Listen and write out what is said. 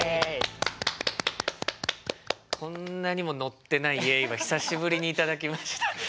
こんなにも乗ってない「イエイ」は久しぶりに頂きました。